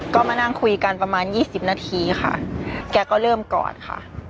ก็มานั่งคุยกันประมาณยี่สิบนาทีค่ะแกก็เริ่มกอดค่ะ